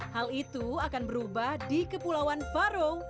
hal itu akan berubah di kepulauan faro